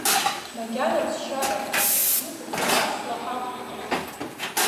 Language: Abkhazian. Макьана ԥсшьараӡам, иҟоуп классла ақәԥара.